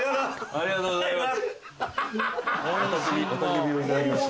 ありがとうございます。